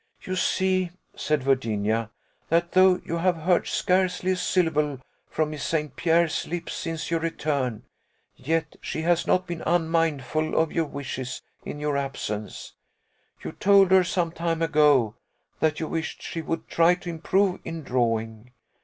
"You see," said Virginia, "that though you have heard scarcely a syllable from Miss St. Pierre's lips since your return, yet she has not been unmindful of your wishes in your absence. You told her, some time ago, that you wished she would try to improve in drawing.